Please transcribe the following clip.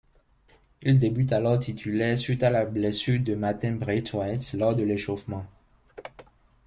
Il débute alors titulaire suite à la blessure de Martin Braithwaite lors de l'échauffement.